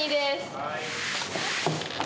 はい。